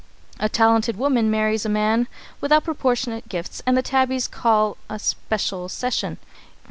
A talented woman marries a man without proportionate gifts and the tabbies call a special session.